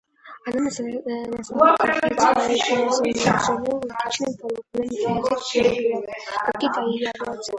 Она назвала Конференцию по разоружению "логичным форумом для этих переговоров", каким та и является.